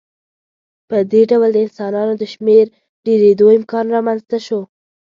په دې ډول د انسانانو د شمېر ډېرېدو امکان رامنځته شو.